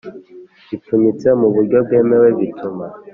Bipfunyitse mu buryo bwemewe bituma